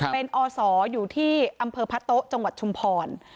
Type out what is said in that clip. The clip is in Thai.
เป็นอศอยู่ที่อำเภอพะโต๊ะจังหวัดชุมพร